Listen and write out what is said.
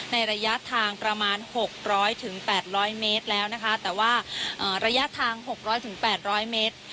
ในระยะทางประมาณหกร้อยถึงแปดร้อยเมตรแล้วนะคะแต่ว่าระยะทางหกร้อยถึงแปดร้อยเมตร